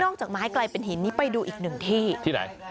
จากไม้กลายเป็นหินนี้ไปดูอีกหนึ่งที่ที่ไหน